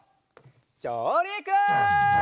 じょうりく！